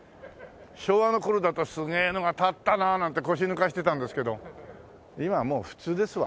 昭和の頃だと「すげえのが建ったなあ」なんて腰抜かしてたんですけど今はもう普通ですわ。